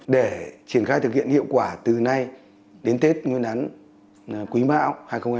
để triển khai thực hiện hiệu quả từ nay đến tết nguyên đán quý bão hai nghìn hai mươi